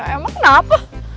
ya emang kenapa